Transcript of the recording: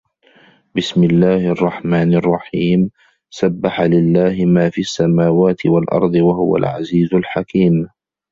بِسمِ اللَّهِ الرَّحمنِ الرَّحيمِ سَبَّحَ لِلَّهِ ما فِي السَّماواتِ وَالأَرضِ وَهُوَ العَزيزُ الحَكيمُ